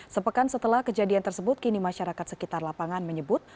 sepekan setelah kejadian tersebut kini masyarakat sekitar lapangan menyebut